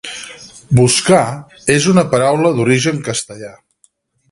"Buscar" és una paraula d'origen castellà.